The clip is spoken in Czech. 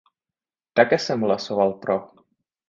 Také jsem hlasoval pro.